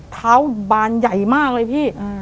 เท้าบานใหญ่มากเลยพี่